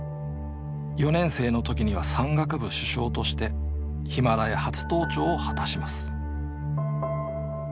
４年生の時には山岳部主将としてヒマラヤ初登頂を果たします